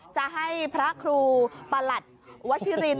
จะให้พระครูประหลัดวชิริน